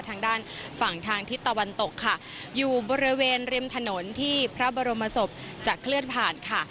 ทางด้านฝั่งทางทิศตะวันตกค่ะอยู่บริเวณริมถนนที่พระบรมศพจะเคลื่อนผ่านค่ะ